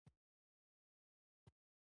مينې د هيلې طنزيه خبرې ورغوڅې کړې او ويې ويل